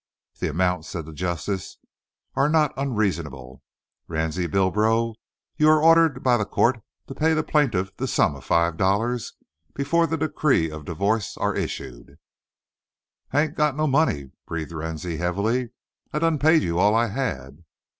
"The amount," said the Justice, "air not onreasonable. Ransie Bilbro, you air ordered by the co't to pay the plaintiff the sum of five dollars befo' the decree of divo'ce air issued." "I hain't no mo' money," breathed Ransie, heavily. "I done paid you all I had."